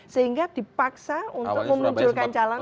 sehingga dipaksa untuk memunculkan calon